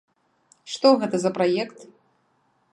Што гэта за праект?